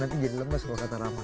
nanti jadi lemes kalau kata rama